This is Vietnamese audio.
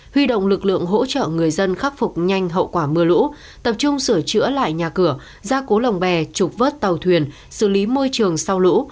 huy động lực lượng hỗ trợ người dân khắc phục nhanh hậu quả mưa lũ tập trung sửa chữa lại nhà cửa gia cố lồng bè trục vớt tàu thuyền xử lý môi trường sau lũ